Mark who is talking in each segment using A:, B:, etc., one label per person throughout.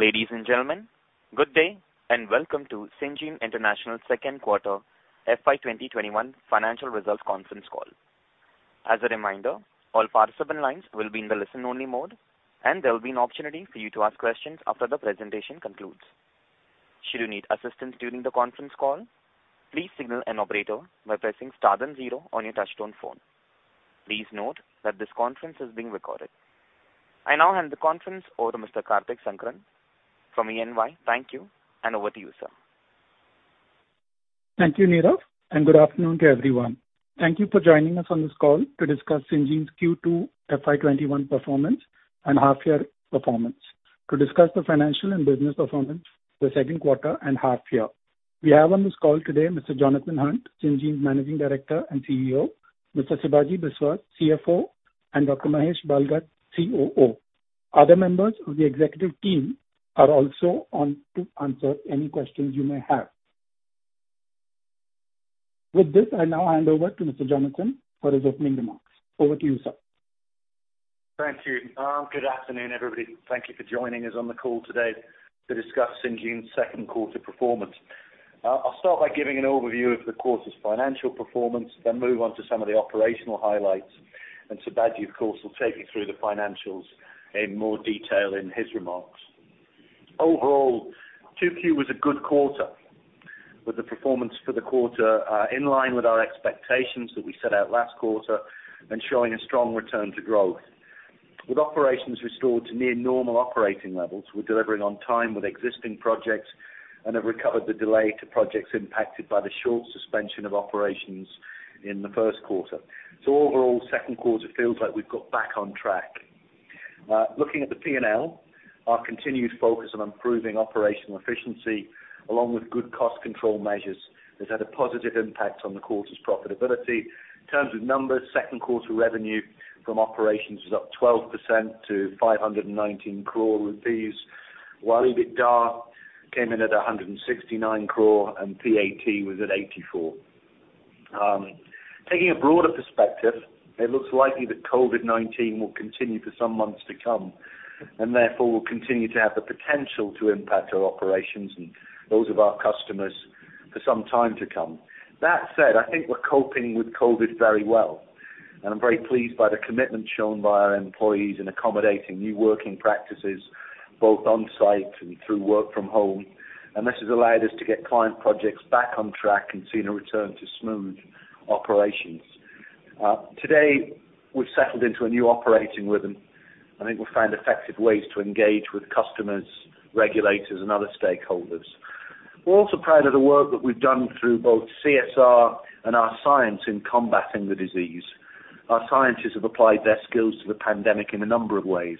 A: Ladies and gentlemen, good day and welcome to Syngene International second quarter FY 2021 financial results conference call. As a reminder, all participant lines will be in the listen-only mode, and there will be an opportunity for you to ask questions after the presentation concludes. Should you need assistance during the conference call, please signal an operator by pressing star then zero on your touchtone phone. Please note that this conference is being recorded. I now hand the conference over to Mr. Karthik Sankaran from EY. Thank you, and over to you, sir.
B: Thank you, Nirav. Good afternoon to everyone. Thank you for joining us on this call to discuss Syngene's Q2 FY 2021 performance and half year performance. To discuss the financial and business performance for the second quarter and half year, we have on this call today Mr. Jonathan Hunt, Syngene's Managing Director and CEO, Mr. Sibaji Biswas, CFO, and Dr. Mahesh Bhalgat, COO. Other members of the executive team are also on to answer any questions you may have. With this, I now hand over to Mr. Jonathan for his opening remarks. Over to you, sir.
C: Thank you. Good afternoon, everybody. Thank you for joining us on the call today to discuss Syngene's second quarter performance. I'll start by giving an overview of the quarter's financial performance, then move on to some of the operational highlights, and Sibaji, of course, will take you through the financials in more detail in his remarks. Overall, 2Q was a good quarter, with the performance for the quarter in line with our expectations that we set out last quarter and showing a strong return to growth. With operations restored to near normal operating levels, we're delivering on time with existing projects and have recovered the delay to projects impacted by the short suspension of operations in the first quarter. Overall, second quarter feels like we've got back on track. Looking at the P&L, our continued focus on improving operational efficiency along with good cost control measures has had a positive impact on the quarter's profitability. In terms of numbers, second quarter revenue from operations was up 12% to 519 crore rupees, while EBITDA came in at 169 crore and PAT was at 84. Taking a broader perspective, it looks likely that COVID-19 will continue for some months to come and therefore will continue to have the potential to impact our operations and those of our customers for some time to come. That said, I think we're coping with COVID very well, and I'm very pleased by the commitment shown by our employees in accommodating new working practices, both on-site and through work from home. This has allowed us to get client projects back on track and seen a return to smooth operations. Today, we've settled into a new operating rhythm. I think we've found effective ways to engage with customers, regulators, and other stakeholders. We're also proud of the work that we've done through both CSR and our science in combating the disease. Our scientists have applied their skills to the pandemic in a number of ways.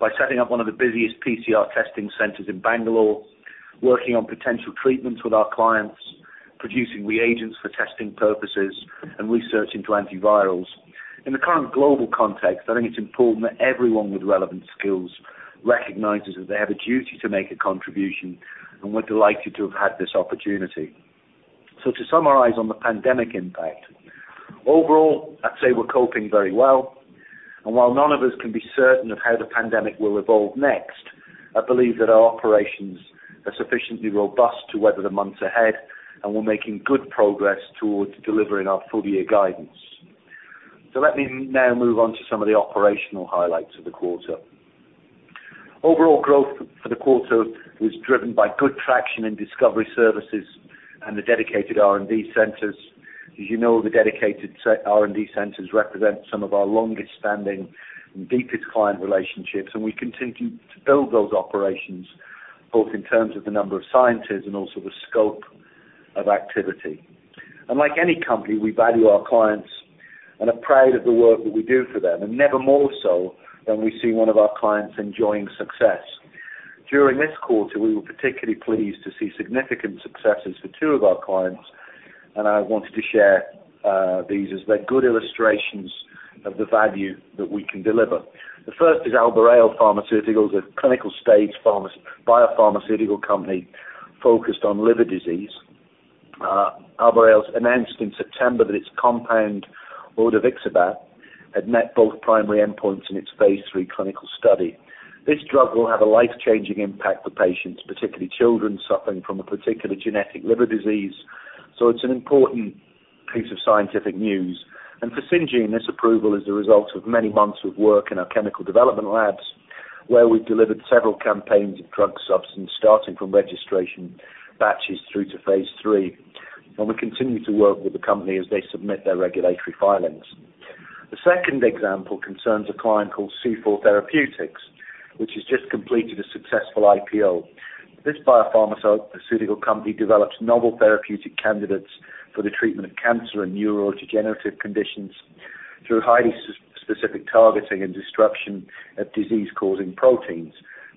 C: By setting up one of the busiest PCR testing centers in Bangalore, working on potential treatments with our clients, producing reagents for testing purposes, and research into antivirals. In the current global context, I think it's important that everyone with relevant skills recognizes that they have a duty to make a contribution. We're delighted to have had this opportunity. To summarize on the pandemic impact, overall, I'd say we're coping very well. While none of us can be certain of how the pandemic will evolve next, I believe that our operations are sufficiently robust to weather the months ahead, and we're making good progress towards delivering our full-year guidance. Let me now move on to some of the operational highlights of the quarter. Overall growth for the quarter was driven by good traction in discovery services and the dedicated R&D centers. As you know, the dedicated R&D centers represent some of our longest-standing and deepest client relationships, and we continue to build those operations both in terms of the number of scientists and also the scope of activity. Like any company, we value our clients and are proud of the work that we do for them, and never more so than we see one of our clients enjoying success. During this quarter, we were particularly pleased to see significant successes for two of our clients, and I wanted to share these as they're good illustrations of the value that we can deliver. The first is Albireo Pharma, a clinical stage biopharmaceutical company focused on liver disease. Albireo announced in September that its compound, odevixibat, had met both primary endpoints in its phase III clinical study. It's an important piece of scientific news. For Syngene, this approval is the result of many months of work in our chemical development labs, where we delivered several campaigns of drug substance, starting from registration batches through to phase III. We continue to work with the company as they submit their regulatory filings. The second example concerns a client called C4 Therapeutics, which has just completed a successful IPO. This biopharmaceutical company develops novel therapeutic candidates for the treatment of cancer and neurodegenerative conditions through highly specific targeting and disruption of disease-causing proteins,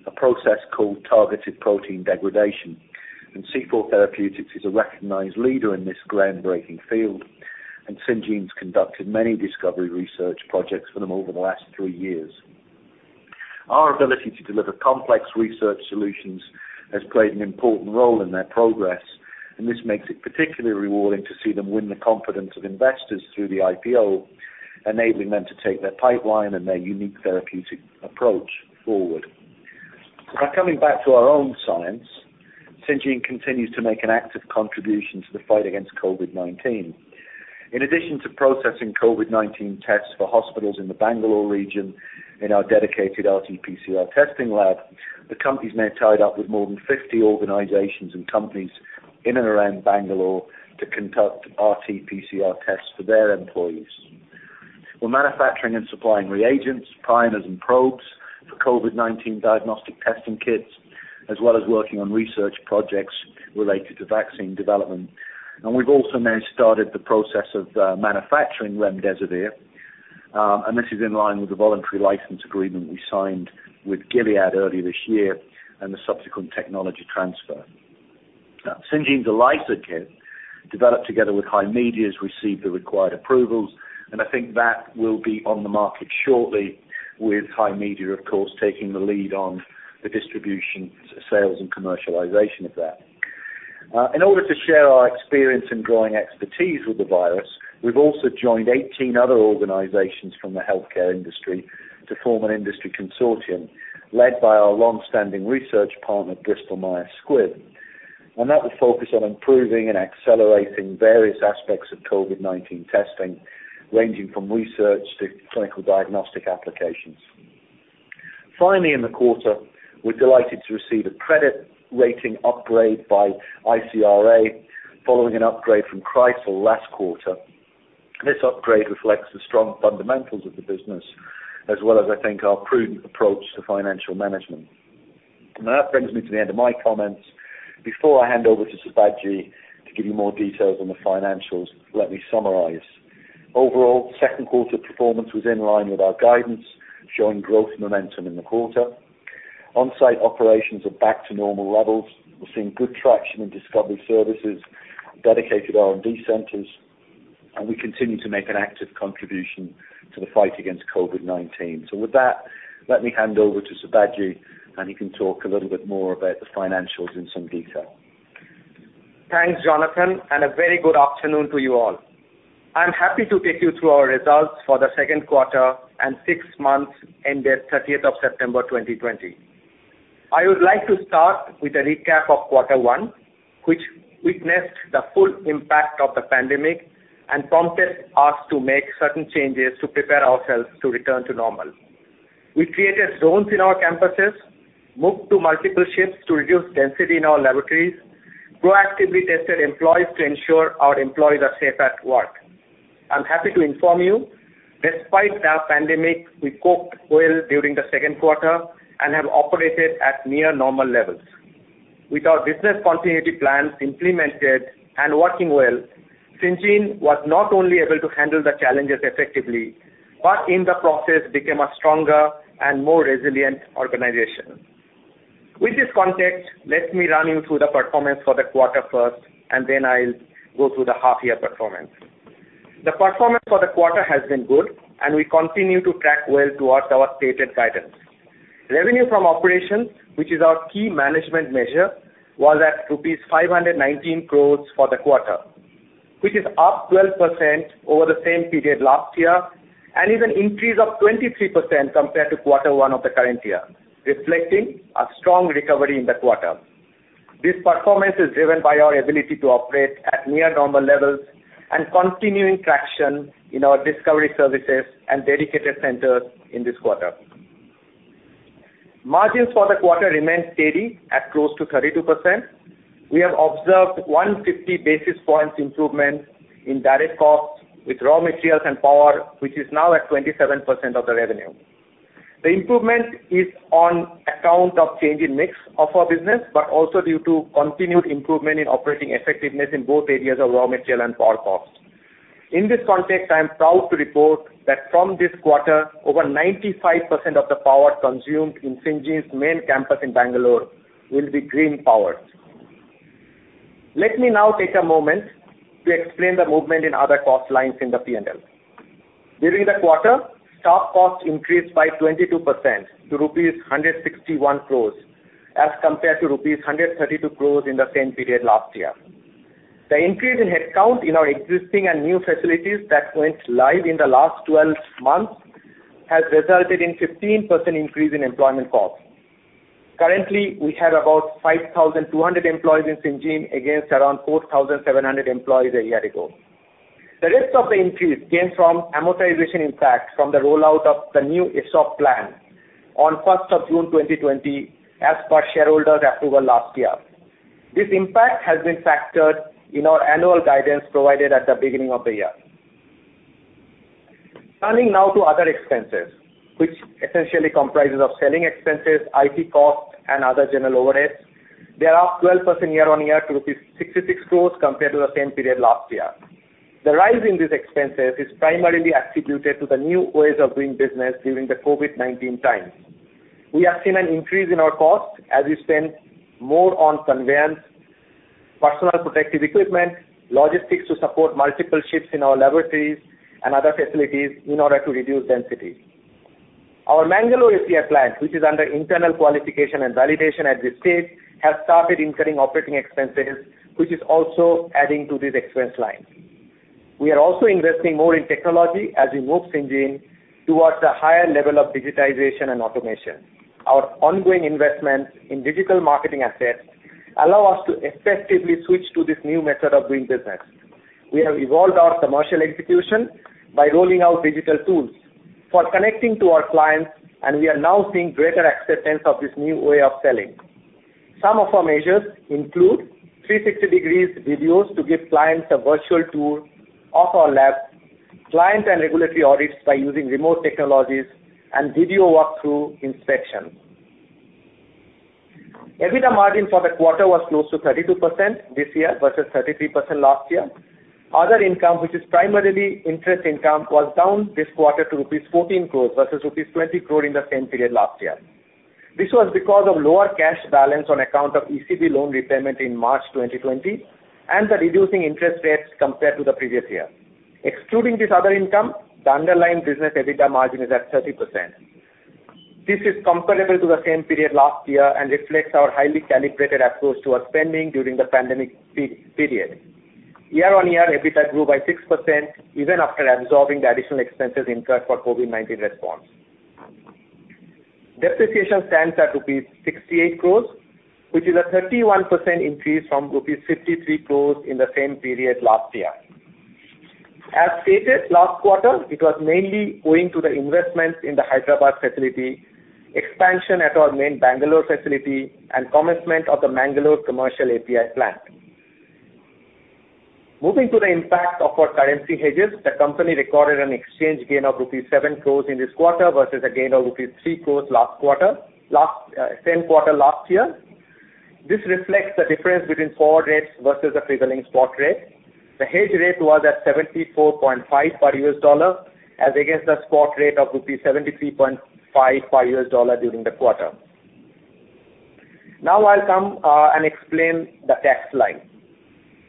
C: a process called targeted protein degradation. C4 Therapeutics is a recognized leader in this groundbreaking field, and Syngene's conducted many discovery research projects for them over the last three years. Our ability to deliver complex research solutions has played an important role in their progress, and this makes it particularly rewarding to see them win the confidence of investors through the IPO. Enabling them to take their pipeline and their unique therapeutic approach forward. Now, coming back to our own science, Syngene continues to make an active contribution to the fight against COVID-19. In addition to processing COVID-19 tests for hospitals in the Bangalore region in our dedicated RTPCR testing lab, the company's now tied up with more than 50 organizations and companies in and around Bangalore to conduct RTPCR tests for their employees. We're manufacturing and supplying reagents, primers, and probes for COVID-19 diagnostic testing kits, as well as working on research projects related to vaccine development. We've also now started the process of manufacturing remdesivir, and this is in line with the voluntary license agreement we signed with Gilead earlier this year and the subsequent technology transfer. Now, Syngene's ELISA kit, developed together with HiMedia, has received the required approvals, and I think that will be on the market shortly with HiMedia, of course, taking the lead on the distribution, sales, and commercialization of that. In order to share our experience and growing expertise with the virus, we've also joined 18 other organizations from the healthcare industry to form an industry consortium led by our long-standing research partner, Bristol Myers Squibb. That will focus on improving and accelerating various aspects of COVID-19 testing, ranging from research to clinical diagnostic applications. Finally, in the quarter, we're delighted to receive a credit rating upgrade by ICRA following an upgrade from CRISIL last quarter. This upgrade reflects the strong fundamentals of the business as well as, I think, our prudent approach to financial management. That brings me to the end of my comments. Before I hand over to Sibaji to give you more details on the financials, let me summarize. Second quarter performance was in line with our guidance, showing growth momentum in the quarter. On-site operations are back to normal levels. We're seeing good traction in discovery services, dedicated R&D centers, and we continue to make an active contribution to the fight against COVID-19. With that, let me hand over to Sibaji, and he can talk a little bit more about the financials in some detail.
D: Thanks, Jonathan. A very good afternoon to you all. I'm happy to take you through our results for the second quarter and six months ended 30th of September 2020. I would like to start with a recap of quarter one, which witnessed the full impact of the pandemic and prompted us to make certain changes to prepare ourselves to return to normal. We created zones in our campuses, moved to multiple shifts to reduce density in our laboratories, proactively tested employees to ensure our employees are safe at work. I'm happy to inform you, despite the pandemic, we coped well during the second quarter and have operated at near normal levels. With our business continuity plans implemented and working well, Syngene was not only able to handle the challenges effectively, but in the process became a stronger and more resilient organization. With this context, let me run you through the performance for the quarter first, and then I'll go through the half-year performance. The performance for the quarter has been good, and we continue to track well towards our stated guidance. Revenue from operations, which is our key management measure, was at rupees 519 crore for the quarter. Which is up 12% over the same period last year and is an increase of 23% compared to quarter one of the current year, reflecting a strong recovery in the quarter. This performance is driven by our ability to operate at near normal levels and continuing traction in our discovery services and dedicated centers in this quarter. Margins for the quarter remained steady at close to 32%. We have observed 150 basis points improvement in direct costs with raw materials and power, which is now at 27% of the revenue. The improvement is on account of change in mix of our business, but also due to continued improvement in operating effectiveness in both areas of raw material and power cost. In this context, I am proud to report that from this quarter, over 95% of the power consumed in Syngene's main campus in Bangalore will be green powered. Let me now take a moment to explain the movement in other cost lines in the P&L. During the quarter, stock costs increased by 22% to rupees 161 crores as compared to rupees 132 crores in the same period last year. The increase in headcount in our existing and new facilities that went live in the last 12 months has resulted in 15% increase in employment costs. Currently, we have about 5,200 employees in Syngene against around 4,700 employees a year ago. The rest of the increase came from amortization impact from the rollout of the new ESOP plan on 1st of June 2020, as per shareholders' approval last year. This impact has been factored in our annual guidance provided at the beginning of the year. Turning now to other expenses, which essentially comprises of selling expenses, IT costs, and other general overheads. They are up 12% year-on-year to rupees 66 crore compared to the same period last year. The rise in these expenses is primarily attributed to the new ways of doing business during the COVID-19 times. We have seen an increase in our costs as we spend more on conveyance, personal protective equipment, logistics to support multiple shifts in our laboratories and other facilities in order to reduce density. Our Mangalore API plant, which is under internal qualification and validation at this stage, has started incurring operating expenses, which is also adding to this expense line. We are also investing more in technology as we move Syngene towards a higher level of digitization and automation. Our ongoing investments in digital marketing assets allow us to effectively switch to this new method of doing business. We have evolved our commercial execution by rolling out digital tools for connecting to our clients, and we are now seeing greater acceptance of this new way of selling. Some of our measures include 360-degree videos to give clients a virtual tour of our lab, client and regulatory audits by using remote technologies, and video walkthrough inspections. EBITDA margin for the quarter was close to 32% this year versus 33% last year. Other income, which is primarily interest income, was down this quarter to rupees 14 crore versus rupees 20 crore in the same period last year. This was because of lower cash balance on account of ECB loan repayment in March 2020 and the reducing interest rates compared to the previous year. Excluding this other income, the underlying business EBITDA margin is at 30%. This is comparable to the same period last year and reflects our highly calibrated approach to our spending during the pandemic period. Year-on-year, EBITDA grew by 6%, even after absorbing the additional expenses incurred for COVID-19 response. Depreciation stands at rupees 68 crores, which is a 31% increase from rupees 53 crores in the same period last year. As stated last quarter, it was mainly owing to the investments in the Hyderabad facility, expansion at our main Bangalore facility, and commencement of the Mangalore commercial API plant. Moving to the impact of our currency hedges, the company recorded an exchange gain of rupees 7 crores in this quarter versus a gain of rupees 3 crores same quarter last year. This reflects the difference between forward rates versus the prevailing spot rate. The hedge rate was at 74.5 per USD as against the spot rate of rupees 73.5 per USD during the quarter. I'll come and explain the tax line.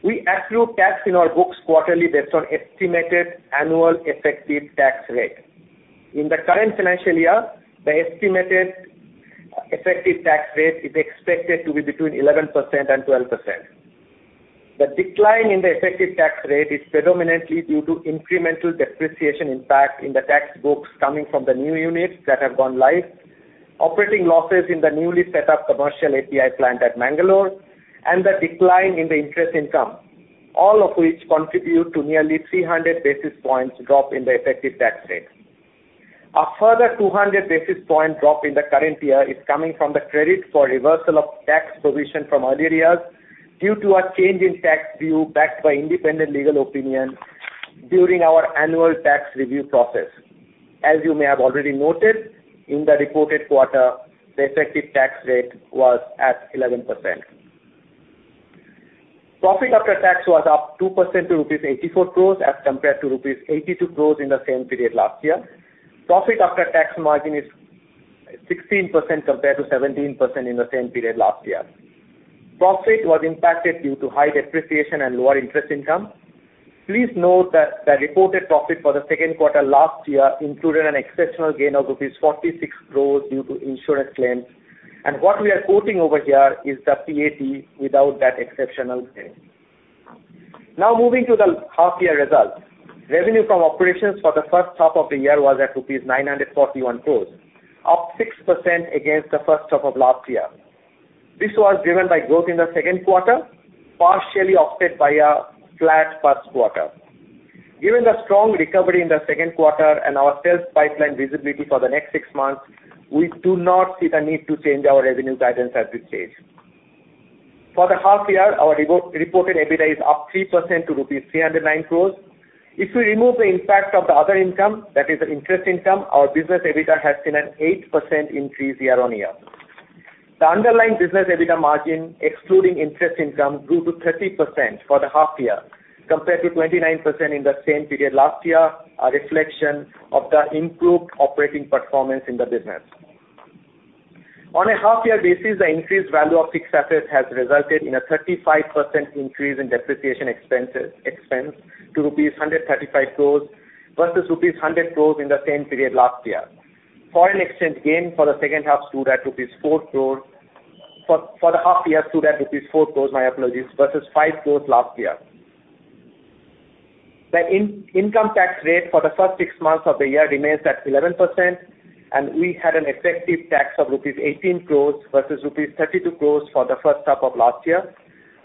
D: We accrue tax in our books quarterly based on estimated annual effective tax rate. In the current financial year, the estimated effective tax rate is expected to be between 11% and 12%. The decline in the effective tax rate is predominantly due to incremental depreciation impact in the tax books coming from the new units that have gone live, operating losses in the newly set up commercial API plant at Mangalore, and the decline in the interest income, all of which contribute to nearly 300 basis points drop in the effective tax rate. A further 200 basis points drop in the current year is coming from the credit for reversal of tax provision from earlier years due to a change in tax view backed by independent legal opinion during our annual tax review process. As you may have already noted, in the reported quarter, the effective tax rate was at 11%. Profit after tax was up 2% to rupees 84 crores as compared to rupees 82 crores in the same period last year. Profit after tax margin is 16% compared to 17% in the same period last year. Profit was impacted due to high depreciation and lower interest income. Please note that the reported profit for the second quarter last year included an exceptional gain of rupees 46 crores due to insurance claims, and what we are quoting over here is the PAT without that exceptional claim. Now moving to the half-year results. Revenue from operations for the first half of the year was at rupees 941 crores, up 6% against the first half of last year. This was driven by growth in the second quarter, partially offset by a flat first quarter. Given the strong recovery in the second quarter and our sales pipeline visibility for the next six months, we do not see the need to change our revenue guidance at this stage. For the half year, our reported EBITDA is up 3% to rupees 309 crores. We remove the impact of the other income, that is the interest income, our business EBITDA has seen an 8% increase year-on-year. The underlying business EBITDA margin, excluding interest income, grew to 30% for the half year compared to 29% in the same period last year, a reflection of the improved operating performance in the business. On a half-year basis, the increased value of fixed assets has resulted in a 35% increase in depreciation expense to rupees 135 crores versus rupees 100 crores in the same period last year. Foreign exchange gain for the half year stood at rupees 4 crores, my apologies, versus 5 crores last year. The income tax rate for the first six months of the year remains at 11%, and we had an effective tax of rupees 18 crores versus rupees 32 crores for the first half of last year.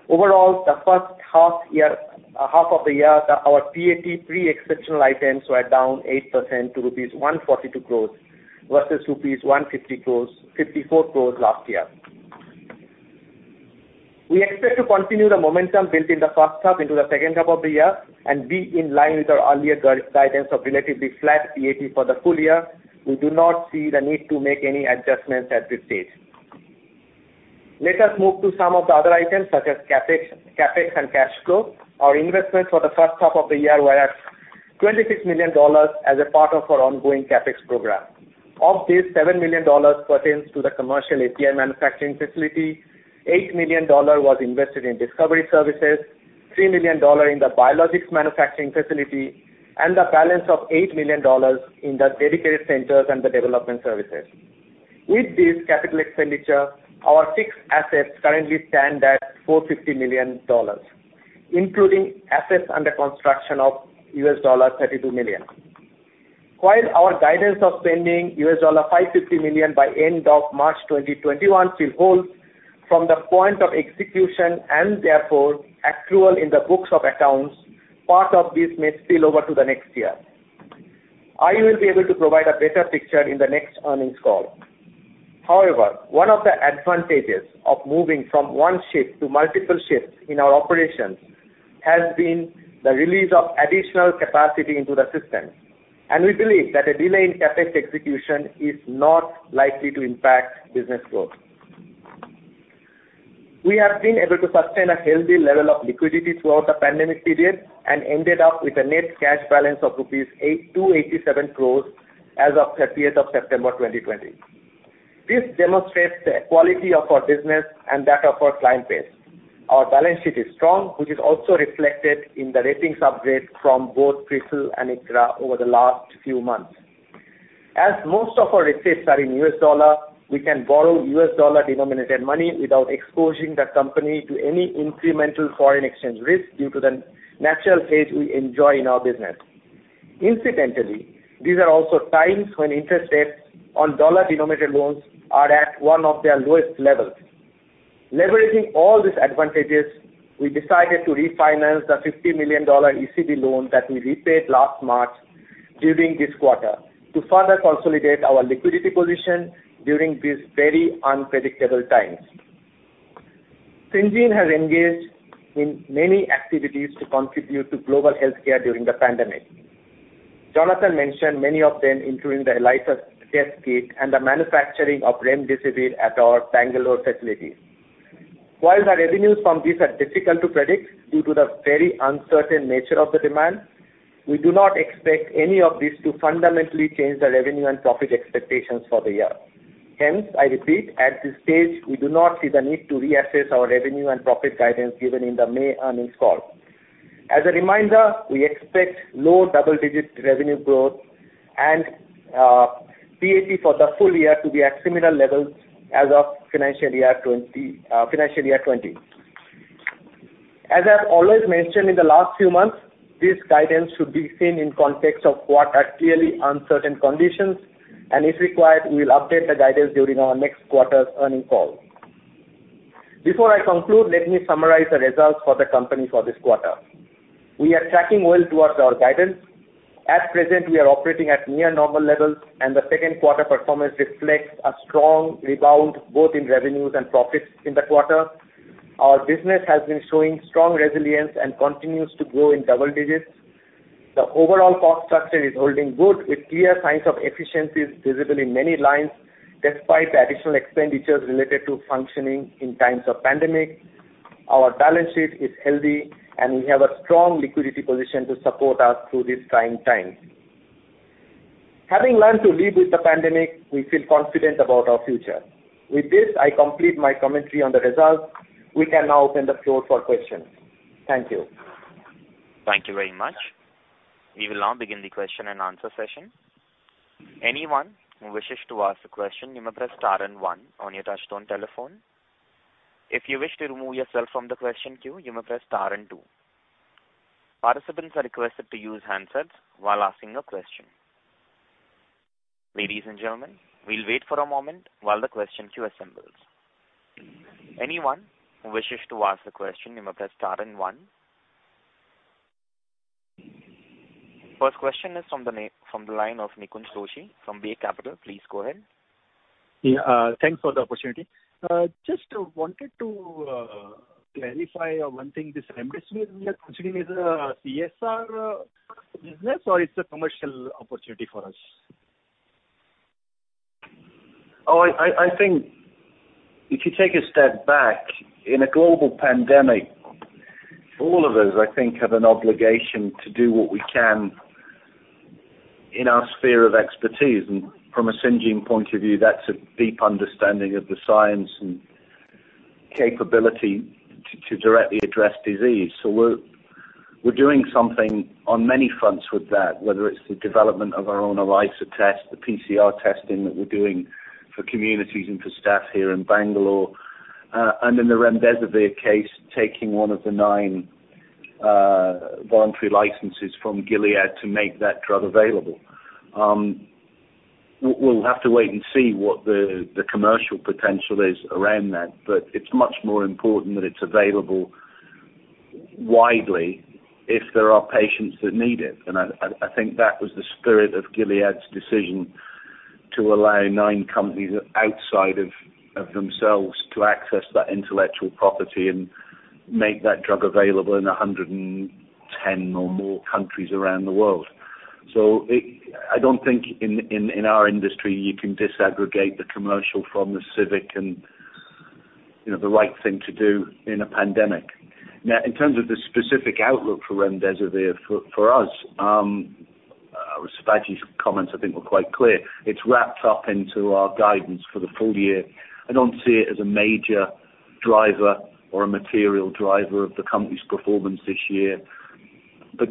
D: Overall, the first half of the year, our PAT pre-exceptional items were down 8% to rupees 142 crores versus rupees 154 crores last year. We expect to continue the momentum built in the first half into the second half of the year and be in line with our earlier guidance of relatively flat PAT for the full year. We do not see the need to make any adjustments at this stage. Let us move to some of the other items such as CapEx and cash flow. Our investments for the first half of the year were at $26 million as a part of our ongoing CapEx program. Of this, $7 million pertains to the commercial API manufacturing facility, $8 million was invested in discovery services. $3 million in the biologics manufacturing facility, and the balance of $8 million in the dedicated centers and the development services. With this capital expenditure, our fixed assets currently stand at $450 million, including assets under construction of $32 million. While our guidance of spending $550 million by end of March 2021 still holds from the point of execution and therefore accrual in the books of accounts, part of this may spill over to the next year. I will be able to provide a better picture in the next earnings call. One of the advantages of moving from one shift to multiple shifts in our operations has been the release of additional capacity into the system, and we believe that a delay in asset execution is not likely to impact business growth. We have been able to sustain a healthy level of liquidity throughout the pandemic period and ended up with a net cash balance of rupees 287 crore as of 30th of September 2020. This demonstrates the quality of our business and that of our client base. Our balance sheet is strong, which is also reflected in the ratings upgrade from both CRISIL and ICRA over the last few months. As most of our receipts are in U.S. dollar, we can borrow U.S. dollar-denominated money without exposing the company to any incremental foreign exchange risk due to the natural hedge we enjoy in our business. Incidentally, these are also times when interest rates on dollar-denominated loans are at one of their lowest levels. Leveraging all these advantages, we decided to refinance the $50 million ECB loan that we repaid last March during this quarter to further consolidate our liquidity position during these very unpredictable times. Syngene has engaged in many activities to contribute to global healthcare during the pandemic. Jonathan mentioned many of them, including the ELISA test kit and the manufacturing of remdesivir at our Bangalore facilities. While the revenues from these are difficult to predict due to the very uncertain nature of the demand, we do not expect any of this to fundamentally change the revenue and profit expectations for the year. Hence, I repeat, at this stage, we do not see the need to reassess our revenue and profit guidance given in the May earnings call. As a reminder, we expect low double-digit revenue growth and PAT for the full year to be at similar levels as of FY 2020. As I've always mentioned in the last few months, this guidance should be seen in context of what are clearly uncertain conditions, and if required, we will update the guidance during our next quarter's earnings call. Before I conclude, let me summarize the results for the company for this quarter. We are tracking well towards our guidance. At present, we are operating at near normal levels, and the second quarter performance reflects a strong rebound both in revenues and profits in the quarter. Our business has been showing strong resilience and continues to grow in double digits. The overall cost structure is holding good with clear signs of efficiencies visible in many lines, despite the additional expenditures related to functioning in times of pandemic. Our balance sheet is healthy, and we have a strong liquidity position to support us through these trying times. Having learned to live with the pandemic, we feel confident about our future. With this, I complete my commentary on the results. We can now open the floor for questions. Thank you.
A: Thank you very much. We will now begin the question and answer session. First question is from the line of Nikunj Doshi from Bay Capital. Please go ahead.
E: Thanks for the opportunity. Just wanted to clarify one thing. This remdesivir you are considering is a CSR business, or it's a commercial opportunity for us?
C: I think if you take a step back, in a global pandemic, all of us, I think, have an obligation to do what we can in our sphere of expertise. From a Syngene point of view, that's a deep understanding of the science and capability to directly address disease. We're doing something on many fronts with that, whether it's the development of our own ELISA test, the PCR testing that we're doing for communities and for staff here in Bangalore. In the remdesivir case, taking one of the nine voluntary licenses from Gilead to make that drug available. We'll have to wait and see what the commercial potential is around that, but it's much more important that it's available widely if there are patients that need it. I think that was the spirit of Gilead's decision to allow nine companies outside of themselves to access that intellectual property and make that drug available in 110 or more countries around the world. I don't think in our industry you can disaggregate the commercial from the civic and the right thing to do in a pandemic. Now, in terms of the specific outlook for remdesivir for us, Sibaji's comments, I think, were quite clear. It's wrapped up into our guidance for the full year. I don't see it as a major driver or a material driver of the company's performance this year.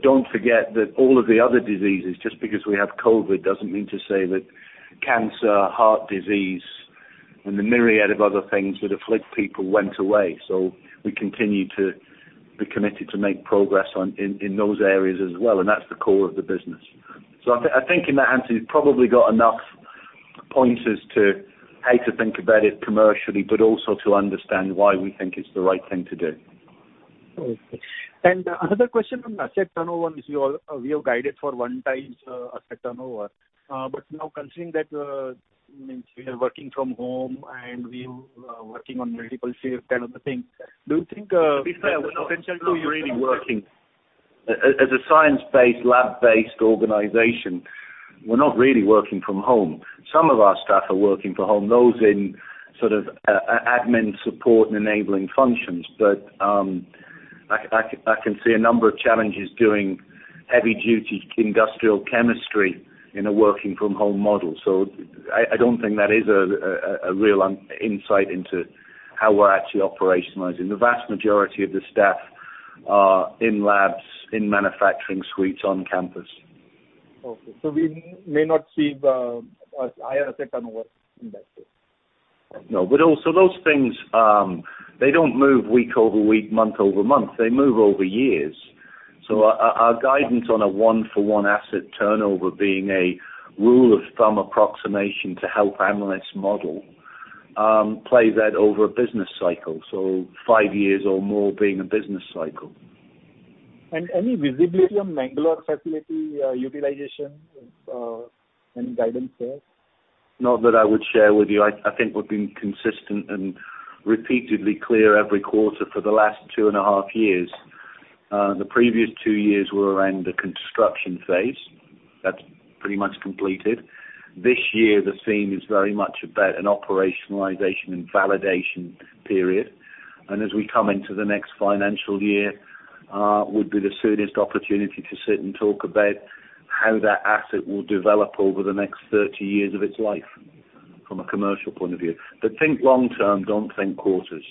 C: Don't forget that all of the other diseases, just because we have COVID-19, doesn't mean to say that cancer, heart disease, and the myriad of other things that afflict people went away. We continue to be committed to make progress in those areas as well, and that's the core of the business. I think in that answer, you've probably got enough pointers to how to think about it commercially, but also to understand why we think it's the right thing to do.
E: Okay. Another question on asset turnover, we have guided for 1x asset turnover. Now considering that, means we are working from home and we're working on medical shift kind of a thing, do you think this will potentially-
C: As a science-based, lab-based organization, we're not really working from home. Some of our staff are working from home, those in sort of admin support and enabling functions. I can see a number of challenges doing heavy-duty industrial chemistry in a working-from-home model. I don't think that is a real insight into how we're actually operationalizing. The vast majority of the staff are in labs, in manufacturing suites on campus.
E: Okay. We may not see a higher asset turnover in that case.
C: Those things, they don't move week-over-week, month-over-month. They move over years. Our guidance on a one-for-one asset turnover being a rule of thumb approximation to help analyze model, play that over a business cycle, so five years or more being a business cycle.
E: Any visibility on Mangalore facility utilization, any guidance there?
C: Not that I would share with you. I think we've been consistent and repeatedly clear every quarter for the last two and a half years. The previous two years were around the construction phase. That's pretty much completed. This year, the theme is very much about an operationalization and validation period. As we come into the next financial year, would be the soonest opportunity to sit and talk about how that asset will develop over the next 30 years of its life, from a commercial point of view. Think long term, don't think quarters.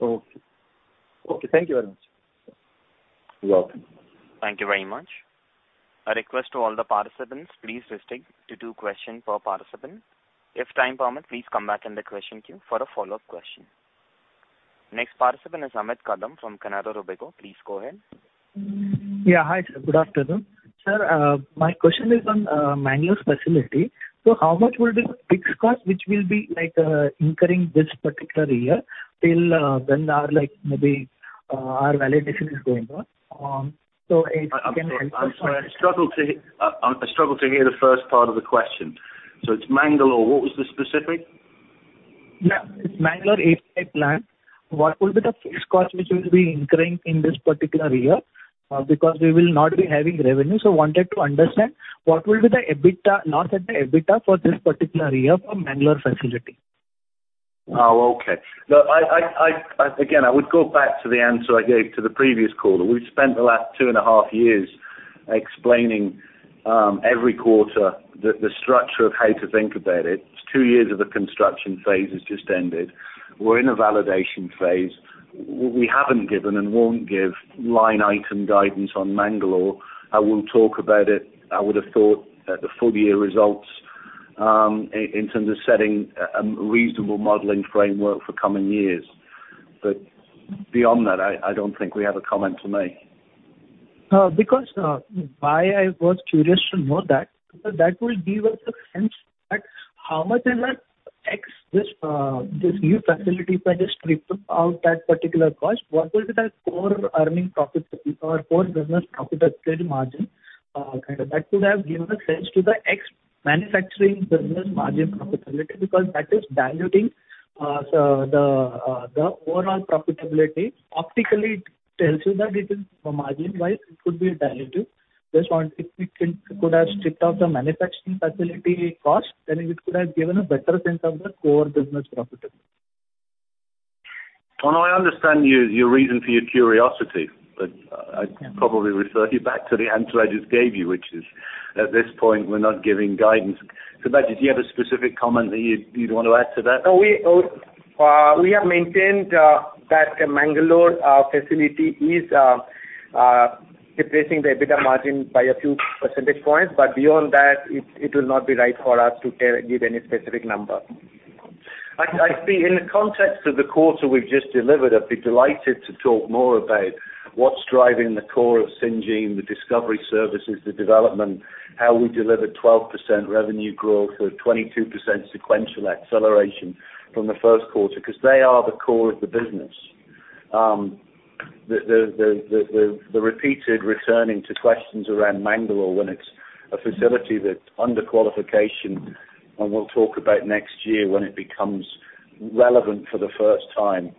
E: Okay. Thank you very much.
C: You're welcome.
A: Thank you very much. A request to all the participants, please restrict to two question per participant. If time permit, please come back in the question queue for a follow-up question. Next participant is Amit Kadam from Canara Robeco. Please go ahead.
F: Yeah. Hi, sir. Good afternoon. Sir, my question is on Mangalore facility. How much will be the fixed cost, which will be incurring this particular year till when maybe our validation is going on?
C: I'm sorry. I struggled to hear the first part of the question. It's Mangalore. What was the specific?
F: Yeah. It's Mangalore API plant. What will be the fixed cost which we'll be incurring in this particular year? Because we will not be having revenue, so wanted to understand what will be the loss at the EBITDA for this particular year for Mangalore facility.
C: Oh, okay. Again, I would go back to the answer I gave to the previous caller. We've spent the last two and a half years explaining every quarter the structure of how to think about it. Two years of the construction phase has just ended. We're in a validation phase. We haven't given and won't give line item guidance on Mangalore. I will talk about it, I would have thought, at the full-year results, in terms of setting a reasonable modeling framework for coming years. Beyond that, I don't think we have a comment to make.
F: Why I was curious to know that, because that will give us a sense that how much is that X, this new facility, can just strip out that particular cost. What will be the core earning profitability or core business profitability margin? That could have given a sense to the ex-manufacturing business margin profitability, because that is diluting the overall profitability. Optically, it tells you that it is margin-wise, it could be dilutive. Just wanted, if we could have stripped out the manufacturing facility cost, then it could have given a better sense of the core business profitability.
C: Well, I understand your reason for your curiosity, but I'd probably refer you back to the answer I just gave you, which is, at this point, we're not giving guidance. Sibaji, do you have a specific comment that you'd want to add to that?
D: We have maintained that Mangalore facility is depressing the EBITDA margin by a few percentage points. Beyond that, it will not be right for us to give any specific number.
C: In the context of the quarter we've just delivered, I'd be delighted to talk more about what's driving the core of Syngene, the discovery services, the development, how we deliver 12% revenue growth with 22% sequential acceleration from the first quarter, because they are the core of the business. The repeated returning to questions around Mangalore when it's a facility that's under qualification, and we'll talk about next year when it becomes relevant for the first time.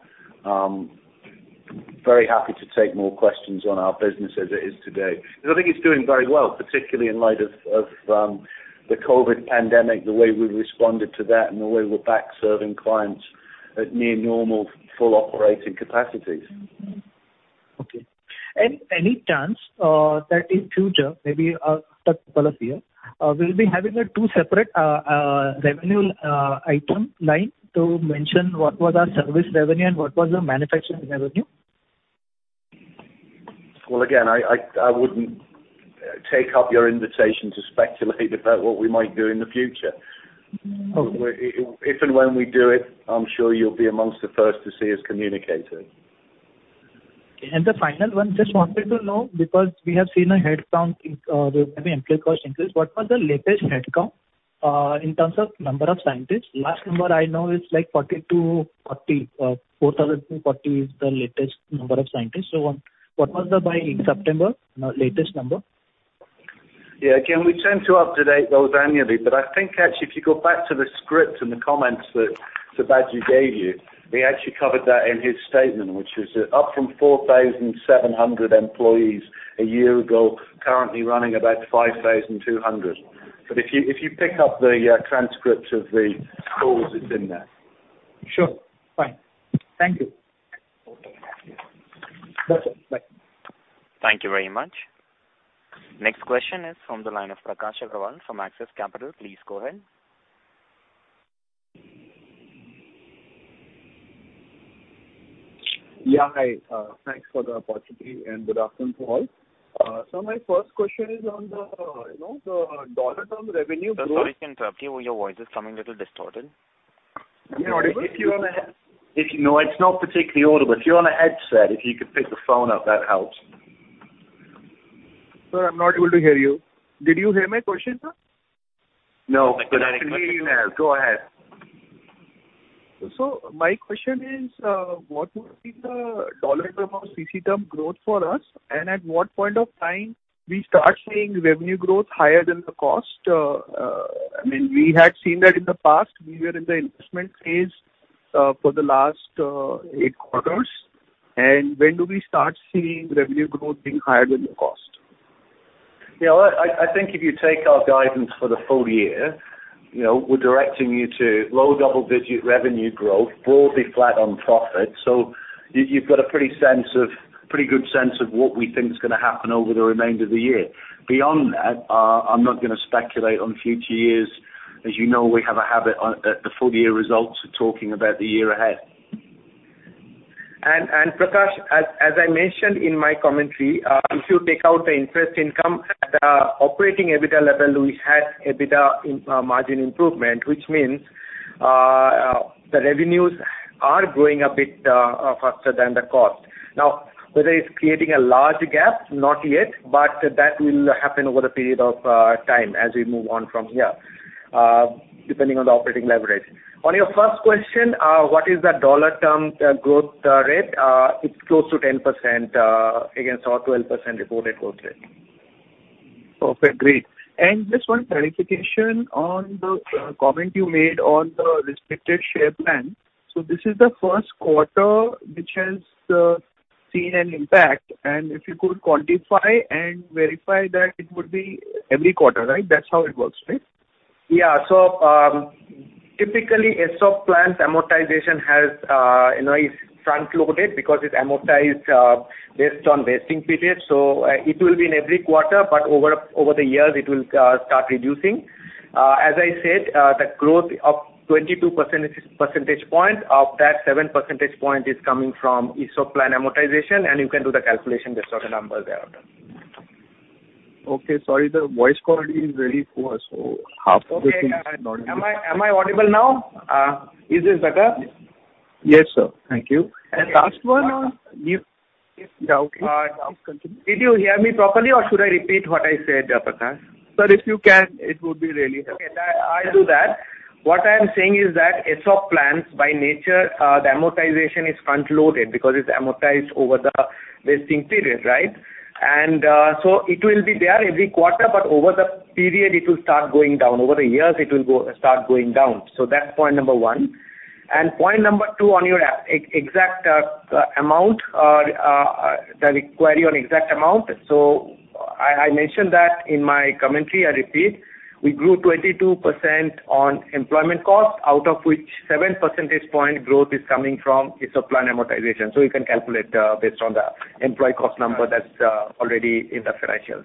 C: Very happy to take more questions on our business as it is today. Because I think it's doing very well, particularly in light of the COVID-19 pandemic, the way we responded to that, and the way we're back serving clients at near normal, full operating capacities.
F: Okay. Any chance that in future, maybe the next two couple of years, we'll be having two separate revenue item lines to mention what was our service revenue and what was the manufacturing revenue?
C: Well, again, I wouldn't take up your invitation to speculate about what we might do in the future.
F: Okay.
C: If and when we do it, I'm sure you'll be amongst the first to see us communicate it.
F: The final one, just wanted to know, because we have seen a headcount in maybe employee cost increase. What was the latest headcount in terms of number of scientists? Last number I know is 4,000 is the latest number of scientists. What was the by in September, latest number?
C: Again, we tend to update those annually, but I think actually, if you go back to the script and the comments that Subhadeep gave you, he actually covered that in his statement, which is up from 4,700 employees a year ago, currently running about 5,200. If you pick up the transcript of the calls, it's in there.
F: Sure. Fine. Thank you.
C: Okay. Thank you.
F: That's it. Bye.
A: Thank you very much. Next question is from the line of Prakash Agarwal from Axis Capital. Please go ahead.
G: Yeah. Hi. Thanks for the opportunity, and good afternoon to all. My first question is on the dollar term revenue growth-
A: Sir, sorry to interrupt you. Your voice is coming a little distorted.
G: Am I audible?
C: No, it's not particularly audible. If you're on a headset, if you could pick the phone up, that helps.
G: Sir, I'm not able to hear you. Did you hear my question, sir?
C: No, but I can hear you now. Go ahead.
G: My question is, what would be the dollar term or CC term growth for us, and at what point of time we start seeing revenue growth higher than the cost? We had seen that in the past. We were in the investment phase for the last eight quarters. When do we start seeing revenue growth being higher than the cost?
C: Yeah. I think if you take our guidance for the full year, we're directing you to low double-digit revenue growth, broadly flat on profit. You've got a pretty good sense of what we think is going to happen over the remainder of the year. Beyond that, I'm not going to speculate on future years. As you know, we have a habit at the full year results of talking about the year ahead.
D: Prakash, as I mentioned in my commentary, if you take out the interest income, at the operating EBITDA level, we had EBITDA margin improvement, which means the revenues are growing a bit faster than the cost. Whether it's creating a large gap, not yet, but that will happen over the period of time as we move on from here, depending on the operating leverage. On your first question, what is the dollar term growth rate? It's close to 10% against our 12% reported growth rate.
G: Perfect. Great. Just one clarification on the comment you made on the restricted share plan. This is the first quarter which has seen an impact, and if you could quantify and verify that it would be every quarter, right? That's how it works, right?
D: Yeah. Typically, ESOP plans amortization is front-loaded because it's amortized based on vesting periods. It will be in every quarter, but over the years, it will start reducing. As I said, the growth of 22 percentage points, of that, seven percentage points is coming from ESOP plan amortization, and you can do the calculation based on the numbers that are out there.
G: Okay. Sorry, the voice quality is very poor, so half of it is not audible.
D: Am I audible now? Is this better?
G: Yes, sir. Thank you.
D: Did you hear me properly, or should I repeat what I said, Prakash?
G: Sir, if you can, it would be really helpful.
D: Okay. I'll do that. What I am saying is that ESOP plans, by nature, the amortization is front-loaded because it's amortized over the vesting period, right? It will be there every quarter, but over the period, it will start going down. Over the years, it will start going down. That's point number one. Point number two on your exact amount, the query on exact amount. I mentioned that in my commentary. I repeat, we grew 22% on employment cost, out of which 7 percentage point growth is coming from ESOP plan amortization. You can calculate based on the employee cost number that's already in the financials.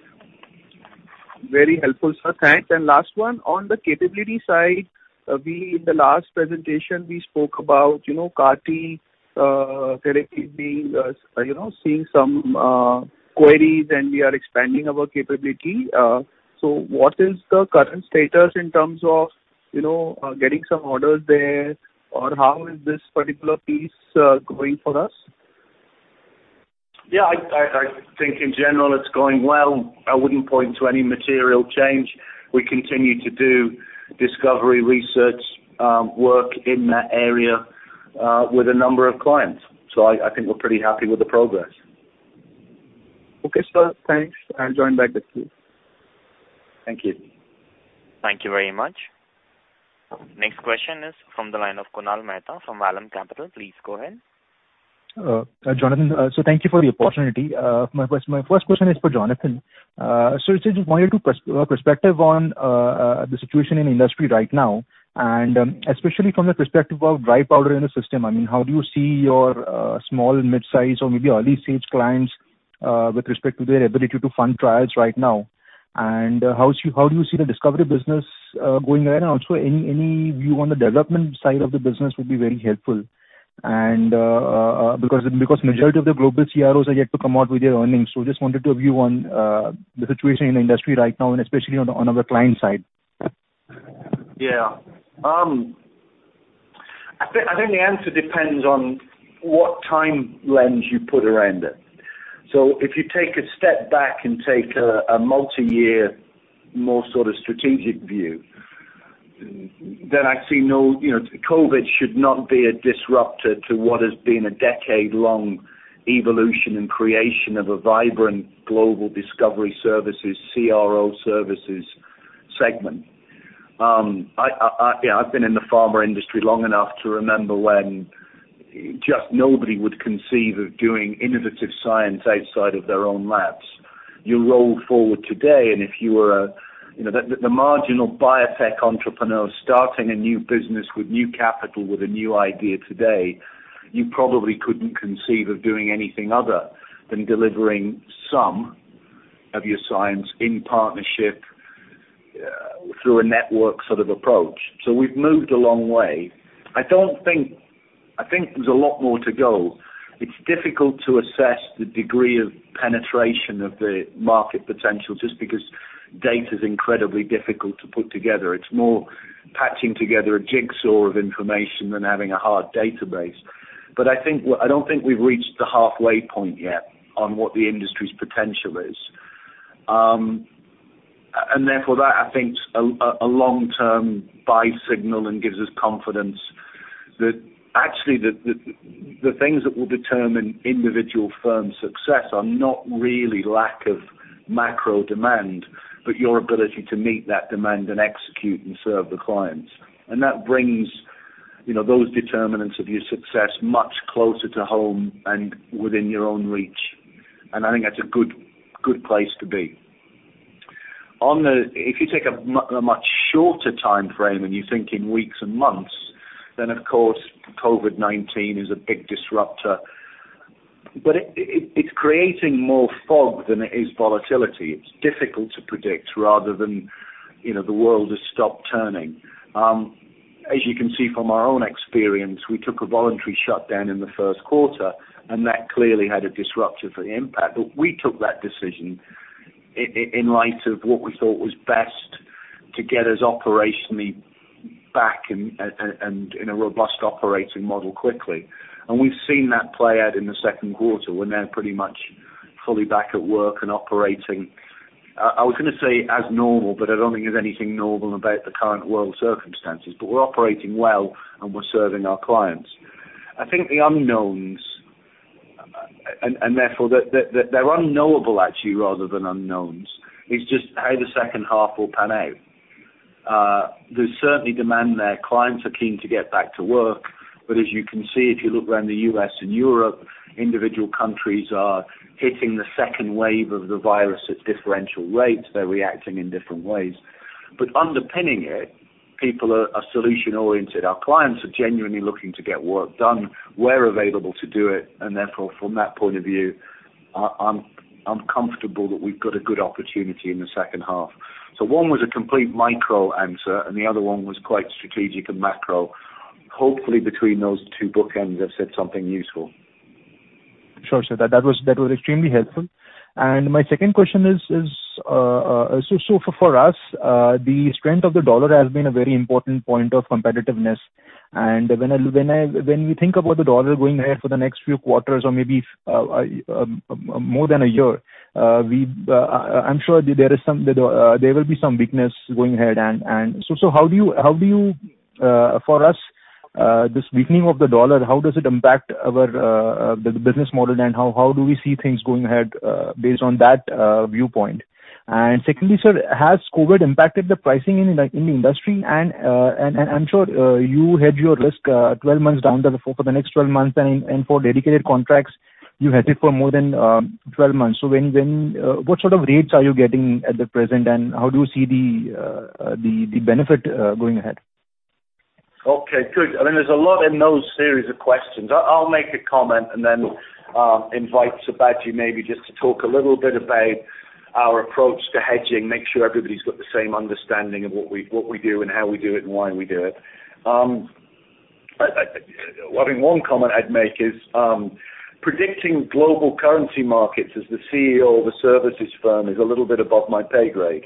G: Very helpful, sir. Thanks. Last one, on the capability side, in the last presentation, we spoke about CAR-T therapy seeing some queries, and we are expanding our capability. What is the current status in terms of getting some orders there, or how is this particular piece going for us?
C: Yeah. I think in general, it's going well. I wouldn't point to any material change. We continue to do discovery research work in that area with a number of clients. I think we're pretty happy with the progress.
G: Okay, sir. Thanks. I'll join back the queue.
D: Thank you.
A: Thank you very much. Next question is from the line of Kunal Mehta from Vallum Capital. Please go ahead.
H: Jonathan, thank you for the opportunity. My first question is for Jonathan. I just wanted your perspective on the situation in industry right now, and especially from the perspective of dry powder in the system. How do you see your small and midsize or maybe early-stage clients with respect to their ability to fund trials right now? How do you see the discovery business going around? Also any view on the development side of the business would be very helpful. Because majority of the global CROs are yet to come out with their earnings. Just wanted a view on the situation in the industry right now, and especially on other client side.
C: Yeah. I think the answer depends on what time lens you put around it. If you take a step back and take a multi-year more sort of strategic view, then actually COVID should not be a disruptor to what has been a decade long evolution and creation of a vibrant global discovery services, CRO services segment. I've been in the pharma industry long enough to remember when just nobody would conceive of doing innovative science outside of their own labs. You roll forward today, and if you were the marginal biotech entrepreneur starting a new business with new capital, with a new idea today, you probably couldn't conceive of doing anything other than delivering some of your science in partnership through a network sort of approach. We've moved a long way. I think there's a lot more to go. It's difficult to assess the degree of penetration of the market potential just because data's incredibly difficult to put together. It's more patching together a jigsaw of information than having a hard database. I don't think we've reached the halfway point yet on what the industry's potential is. Therefore that I think is a long-term buy signal and gives us confidence that actually, the things that will determine individual firm success are not really lack of macro demand, but your ability to meet that demand and execute and serve the clients. That brings those determinants of your success much closer to home and within your own reach. I think that's a good place to be. If you take a much shorter time frame and you think in weeks and months, then of course, COVID-19 is a big disruptor. It's creating more fog than it is volatility. It's difficult to predict rather than the world has stopped turning. As you can see from our own experience, we took a voluntary shutdown in the first quarter, and that clearly had a disruptive impact. We took that decision in light of what we thought was best to get us operationally back and in a robust operating model quickly. We've seen that play out in the second quarter. We're now pretty much fully back at work and operating, I was going to say as normal, but I don't think there's anything normal about the current world circumstances. We're operating well and we're serving our clients. I think the unknowns, and therefore they're unknowable actually, rather than unknowns, is just how the second half will pan out. There's certainly demand there. Clients are keen to get back to work, but as you can see, if you look around the U.S. and Europe, individual countries are hitting the second wave of the virus at differential rates. They're reacting in different ways. Underpinning it, people are solution-oriented. Our clients are genuinely looking to get work done. We're available to do it, and therefore, from that point of view, I'm comfortable that we've got a good opportunity in the second half. One was a complete micro answer and the other one was quite strategic and macro. Hopefully, between those two bookends, I've said something useful.
H: Sure. Sir, that was extremely helpful. My second question is for us, the strength of the dollar has been a very important point of competitiveness. When we think about the dollar going ahead for the next few quarters or maybe more than a year, I'm sure there will be some weakness going ahead. How does this weakening of the dollar impact our business model, and how do we see things going ahead based on that viewpoint? Secondly, sir, has COVID-19 impacted the pricing in the industry? I'm sure you hedge your risk 12 months down the road for the next 12 months and for dedicated contracts, you hedge it for more than 12 months. What sort of rates are you getting at the present, and how do you see the benefit going ahead?
C: Okay, good. I mean, there's a lot in those series of questions. I'll make a comment and then invite Sibaji maybe just to talk a little bit about our approach to hedging, make sure everybody's got the same understanding of what we do and how we do it and why we do it. I think one comment I'd make is predicting global currency markets as the CEO of a services firm is a little bit above my pay grade.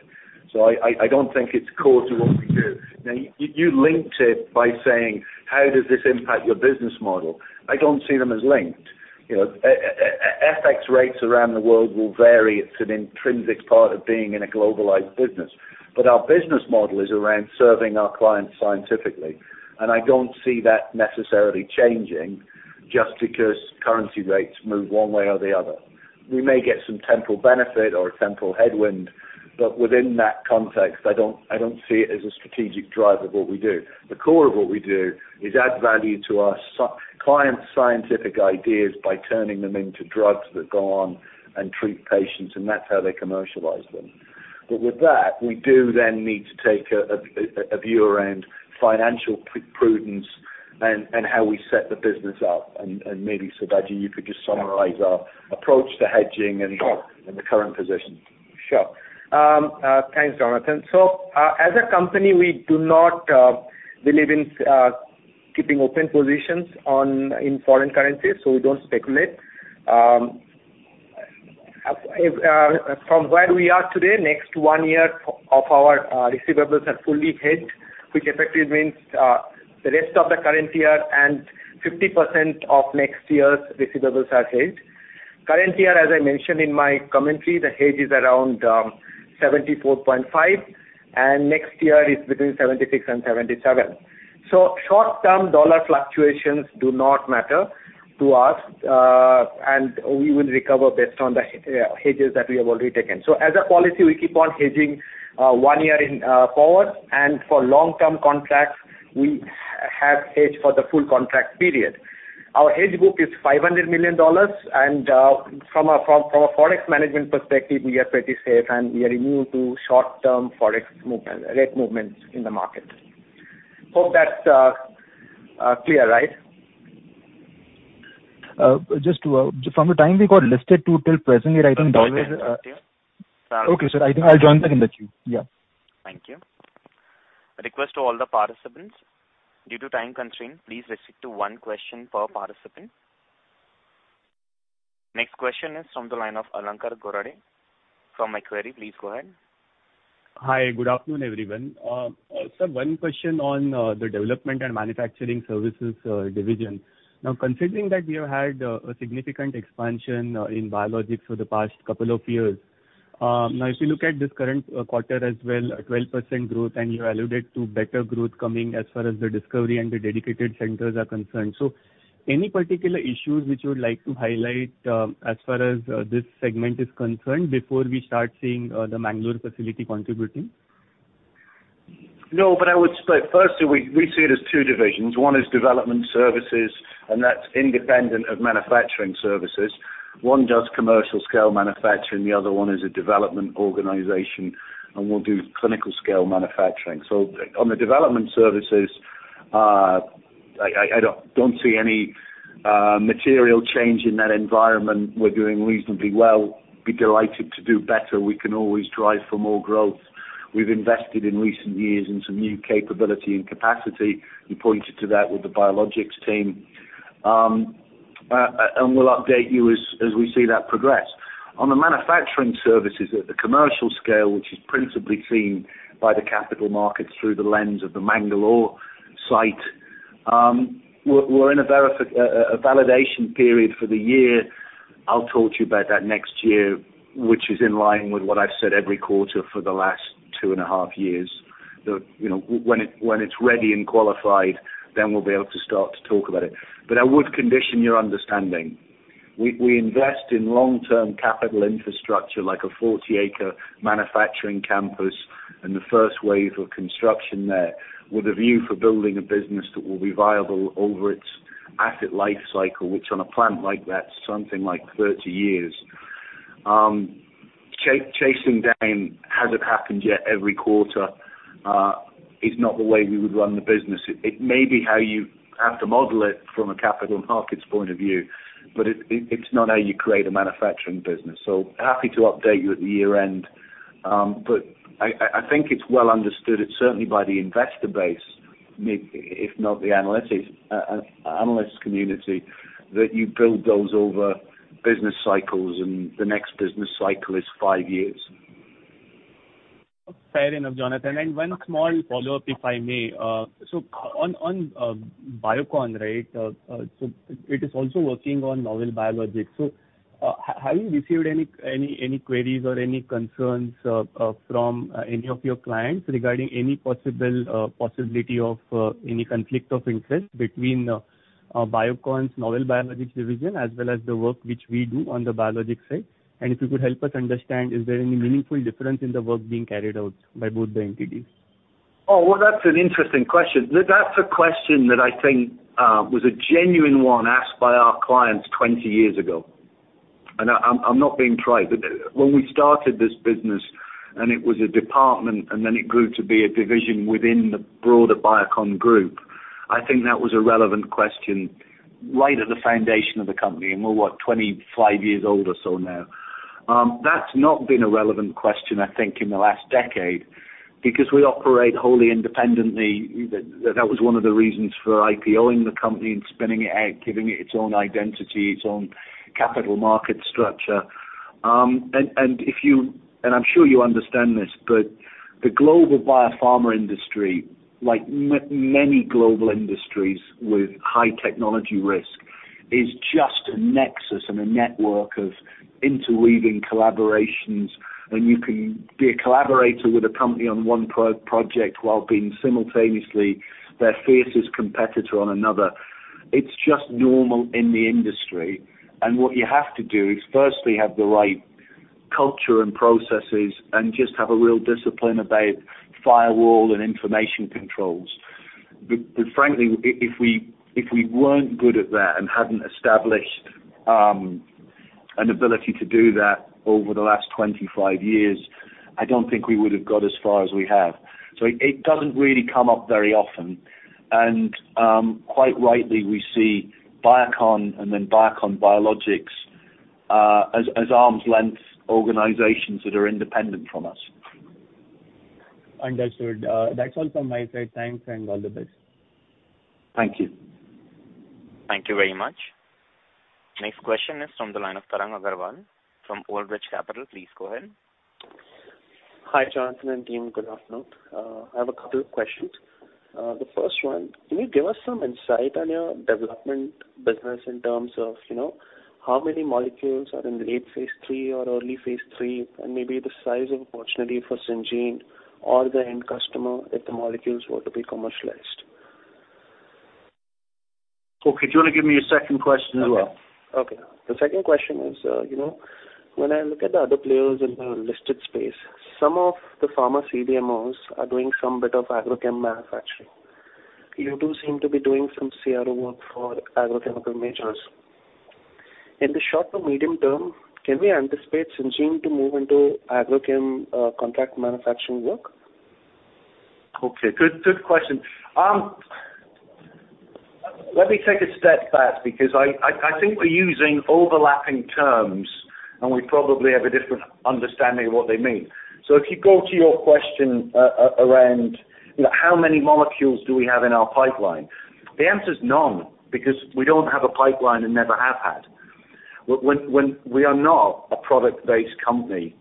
C: I don't think it's core to what we do. Now, you linked it by saying, how does this impact your business model? I don't see them as linked. FX rates around the world will vary. It's an intrinsic part of being in a globalized business. Our business model is around serving our clients scientifically, and I don't see that necessarily changing just because currency rates move one way or the other. We may get some temporal benefit or a temporal headwind, but within that context, I don't see it as a strategic driver of what we do. The core of what we do is add value to our client's scientific ideas by turning them into drugs that go on and treat patients, and that's how they commercialize them. With that, we do then need to take a view around financial prudence and how we set the business up. Maybe Sibaji, you could just summarize our approach to hedging.
D: Sure
C: The current position.
D: Sure. Thanks, Jonathan. As a company, we do not believe in keeping open positions in foreign currencies, so we don't speculate. From where we are today, next 1 year of our receivables are fully hedged, which effectively means the rest of the current year and 50% of next year's receivables are hedged. Current year, as I mentioned in my commentary, the hedge is around 74.5, and next year it's between 76 and 77. Short-term dollar fluctuations do not matter to us, and we will recover based on the hedges that we have already taken. As a policy, we keep on hedging one year in forward, and for long-term contracts, we have hedged for the full contract period. Our hedge book is $500 million. From a forex management perspective, we are pretty safe, and we are immune to short-term forex rate movements in the market. Hope that's clear, right?
H: Just from the time we got listed to till presently, I think dollar is.
D: Okay. Thank you.
H: Okay, sir. I think I'll join back in the queue. Yeah.
A: Thank you. A request to all the participants. Due to time constraint, please restrict to one question per participant. Next question is from the line of Alankar Garude. From Kotak Securities please go ahead.
I: Hi. Good afternoon, everyone. Sir, one question on the development and manufacturing services division. Now, considering that you've had a significant expansion in biologics for the past couple of years. Now, if you look at this current quarter as well, a 12% growth, and you alluded to better growth coming as far as the discovery and the dedicated centers are concerned. Any particular issues which you would like to highlight as far as this segment is concerned before we start seeing the Mangalore facility contributing?
C: No, I would split. Firstly, we see it as two divisions. One is development services, that's independent of manufacturing services. One does commercial scale manufacturing, the other one is a development organization and will do clinical scale manufacturing. On the development services, I don't see any material change in that environment. We're doing reasonably well. Be delighted to do better. We can always drive for more growth. We've invested in recent years in some new capability and capacity. You pointed to that with the biologics team. We'll update you as we see that progress. On the manufacturing services at the commercial scale, which is principally seen by the capital markets through the lens of the Mangalore site. We're in a validation period for the year. I'll talk to you about that next year, which is in line with what I've said every quarter for the last two and a half years. When it's ready and qualified, then we'll be able to start to talk about it. I would condition your understanding. We invest in long-term capital infrastructure like a 40-acre manufacturing campus and the first wave of construction there with a view for building a business that will be viable over its asset life cycle, which on a plant like that's something like 30 years. Chasing down "Has it happened yet?" every quarter is not the way we would run the business. It may be how you have to model it from a capital markets point of view, but it's not how you create a manufacturing business. Happy to update you at the year-end. I think it's well understood, certainly by the investor base, if not the analyst community, that you build those over business cycles, and the next business cycle is five years.
I: Fair enough, Jonathan. One small follow-up, if I may. On Biocon, right? It is also working on novel biologics. Have you received any queries or any concerns from any of your clients regarding any possibility of any conflict of interest between Biocon's novel biologics division as well as the work which we do on the biologic side? If you could help us understand, is there any meaningful difference in the work being carried out by both the entities?
C: Oh, well, that's an interesting question. That's a question that I think was a genuine one asked by our clients 20 years ago. I'm not being trite. When we started this business and it was a department, and then it grew to be a division within the broader Biocon group, I think that was a relevant question right at the foundation of the company. We're what? 25 years old or so now. That's not been a relevant question, I think, in the last decade because we operate wholly independently. That was one of the reasons for IPO-ing the company and spinning it out, giving it its own identity, its own capital market structure. I'm sure you understand this, but the global biopharma industry, like many global industries with high technology risk, is just a nexus and a network of interweaving collaborations. You can be a collaborator with a company on one project while being simultaneously their fiercest competitor on another. It's just normal in the industry. What you have to do is firstly have the right culture and processes and just have a real discipline about firewall and information controls. Frankly, if we weren't good at that and hadn't established an ability to do that over the last 25 years, I don't think we would've got as far as we have. It doesn't really come up very often, and quite rightly we see Biocon and then Biocon Biologics as arm's length organizations that are independent from us.
I: Understood. That's all from my side. Thanks and all the best.
C: Thank you.
A: Thank you very much. Next question is from the line of Tarang Agrawal from Old Bridge Capital. Please go ahead.
J: Hi, Jonathan and team. Good afternoon. I have a couple of questions. The first one, can you give us some insight on your development business in terms of how many molecules are in late phase III or early phase III, and maybe the size of opportunity for Syngene or the end customer if the molecules were to be commercialized?
C: Okay. Do you want to give me your second question as well?
J: Okay. The second question is, when I look at the other players in the listed space, some of the pharma CDMOs are doing some bit of agrochem manufacturing. You do seem to be doing some CRO work for agrochemical majors. In the short or medium term, can we anticipate Syngene to move into agrochem contract manufacturing work?
C: Okay. Good question. Let me take a step back because I think we're using overlapping terms, and we probably have a different understanding of what they mean. If you go to your question around how many molecules do we have in our pipeline? The answer is none, because we don't have a pipeline and never have had. We are not a product-based company.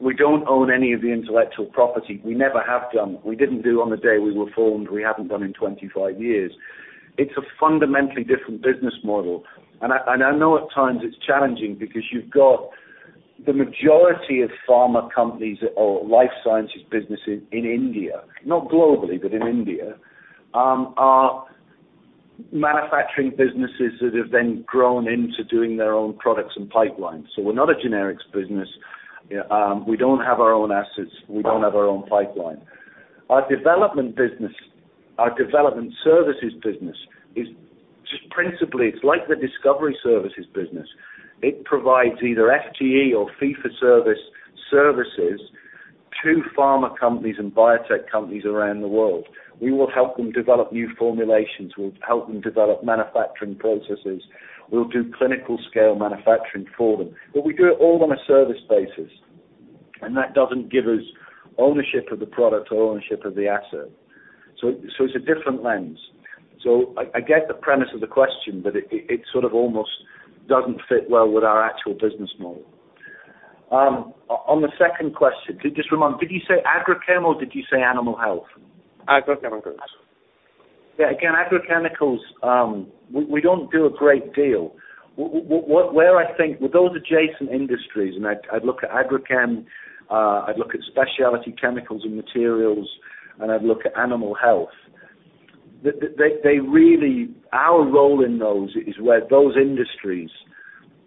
C: We don't own any of the intellectual property. We never have done. We didn't do on the day we were formed, we haven't done in 25 years. It's a fundamentally different business model. I know at times it's challenging because you've got the majority of pharma companies or life sciences businesses in India, not globally, but in India, are manufacturing businesses that have then grown into doing their own products and pipelines. We're not a generics business. We don't have our own assets. We don't have our own pipeline. Our development services business is like the discovery services business. It provides either FTE or fee for service services to pharma companies and biotech companies around the world. We will help them develop new formulations. We'll help them develop manufacturing processes. We'll do clinical scale manufacturing for them. We do it all on a service basis, and that doesn't give us ownership of the product or ownership of the asset. It's a different lens. I get the premise of the question, it sort of almost doesn't fit well with our actual business model. On the second question, just remind, did you say agrochem or did you say animal health?
J: Agrochemicals.
C: Again, agrochemicals, we don't do a great deal. Where I think with those adjacent industries, and I'd look at agrochem, I'd look at specialty chemicals and materials, and I'd look at animal health. Our role in those is where those industries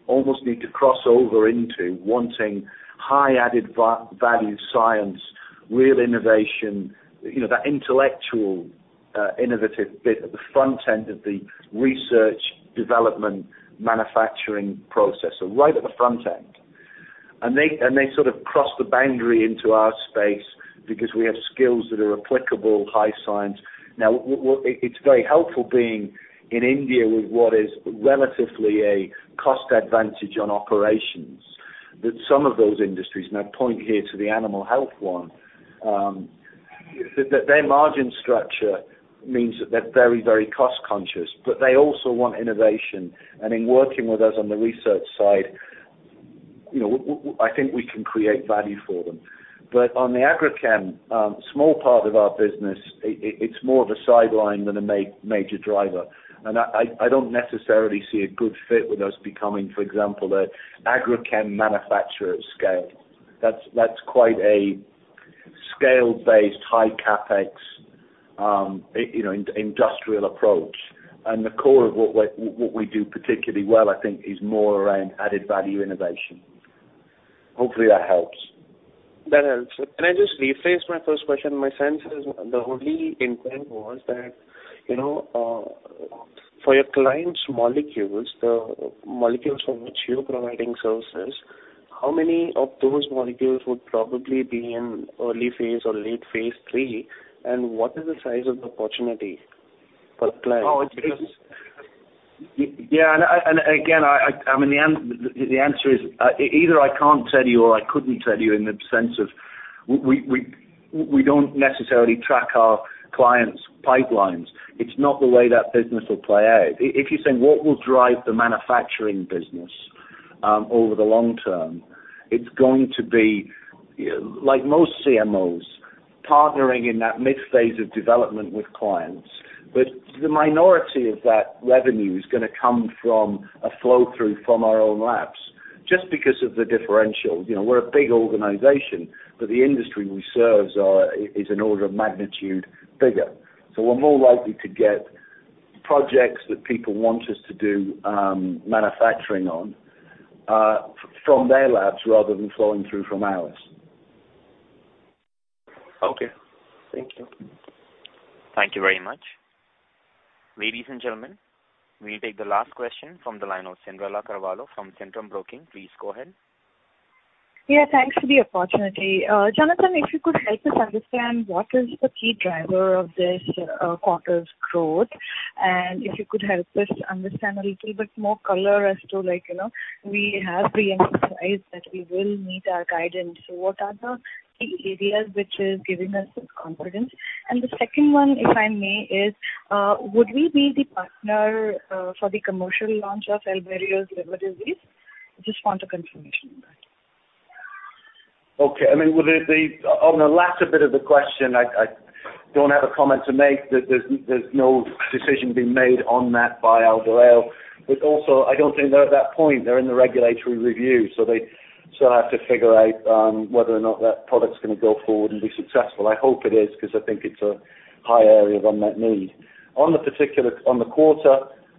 C: almost need to cross over into wanting high added value science, real innovation, that intellectual innovative bit at the front end of the research development manufacturing process. Right at the front end. They sort of cross the boundary into our space because we have skills that are applicable high science. It's very helpful being in India with what is relatively a cost advantage on operations that some of those industries, and I point here to the animal health one. Their margin structure means that they're very cost-conscious, but they also want innovation. In working with us on the research side, I think we can create value for them. On the agrochem, small part of our business, it's more of a sideline than a major driver. I don't necessarily see a good fit with us becoming, for example, an agrochem manufacturer at scale. That's quite a scale-based high CapEx industrial approach. The core of what we do particularly well, I think, is more around added value innovation. Hopefully that helps.
J: That helps. Can I just rephrase my first question? My sense is the only intent was that for your clients' molecules, the molecules for which you're providing services, how many of those molecules would probably be in early phase or late phase III, and what is the size of the opportunity for the client?
C: Yeah. Again, the answer is either I can't tell you or I couldn't tell you in the sense of we don't necessarily track our clients' pipelines. It's not the way that business will play out. If you're saying what will drive the manufacturing business over the long term, it's going to be like most CMOs partnering in that mid phase of development with clients. The minority of that revenue is going to come from a flow-through from our own labs just because of the differential. We're a big organization, but the industry we serve is an order of magnitude bigger. We're more likely to get projects that people want us to do manufacturing on from their labs rather than flowing through from ours.
J: Okay. Thank you.
A: Thank you very much. Ladies and gentlemen, we take the last question from the line of Cyndrella Carvalho from Centrum Broking. Please go ahead.
K: Yeah, thanks for the opportunity. Jonathan, if you could help us understand what is the key driver of this quarter's growth, and if you could help us understand a little bit more color as to, we have re-emphasized that we will meet our guidance. What are the key areas which is giving us this confidence? The second one, if I may, is would we be the partner for the commercial launch of Albireo's liver disease? Just want a confirmation on that.
C: Okay. On the latter bit of the question, I don't have a comment to make. There's no decision being made on that by Albireo. Also, I don't think they're at that point. They're in the regulatory review, so they still have to figure out whether or not that product's going to go forward and be successful. I hope it is, because I think it's a high area of unmet need. On the quarter,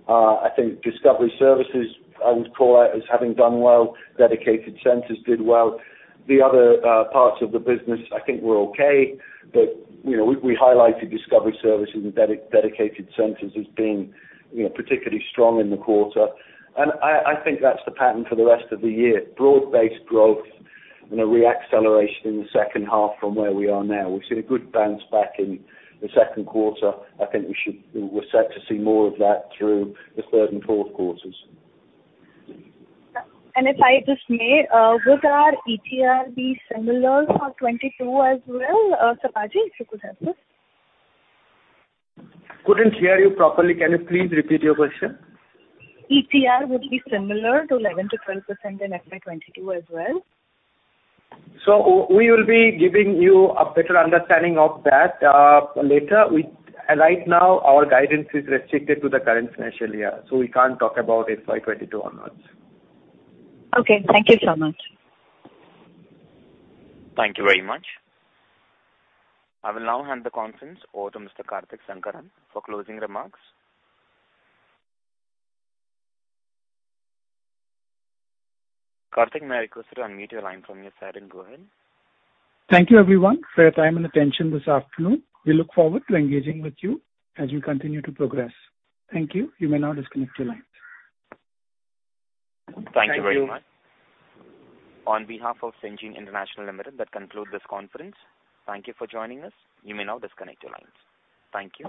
C: I think Discovery Services, I would call out as having done well. Dedicated Centers did well. The other parts of the business, I think were okay. We highlighted Discovery Services and Dedicated Centers as being particularly strong in the quarter. I think that's the pattern for the rest of the year. Broad-based growth and a re-acceleration in the second half from where we are now. We've seen a good bounce back in the second quarter. I think we're set to see more of that through the third and fourth quarters.
K: If I just may, would our ETR be similar for 2022 as well? Sibaji, if you could help us.
D: Couldn't hear you properly. Can you please repeat your question?
K: ETR would be similar to 11%-12% in FY 2022 as well?
D: We will be giving you a better understanding of that later. Right now our guidance is restricted to the current financial year. We can't talk about FY 2022 onwards.
K: Okay. Thank you so much.
A: Thank you very much. I will now hand the conference over to Mr. Karthik Sankaran for closing remarks. Karthik, may I request you to unmute your line from your side and go ahead.
B: Thank you everyone for your time and attention this afternoon. We look forward to engaging with you as we continue to progress. Thank you. You may now disconnect your lines.
A: Thank you very much. On behalf of Syngene International Limited, that concludes this conference. Thank you for joining us. You may now disconnect your lines. Thank you.